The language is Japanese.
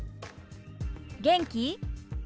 「元気？」。